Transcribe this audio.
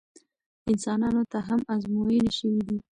انسانانو ته هم ازموینې شوي دي.